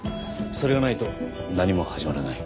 それがないと何も始まらない。